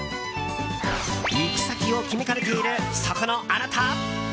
行き先を決めかねているそこのあなた！